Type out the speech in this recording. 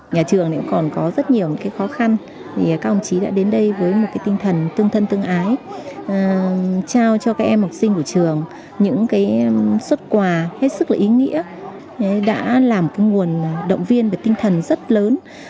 nhà trường còn có rất nhiều khó khăn các ông chí đã đến đây với tinh thần tương thân tương ái trao cho các em học sinh của trường những suất quà hết sức ý nghĩa đã là nguồn động viên và tinh thần rất lớn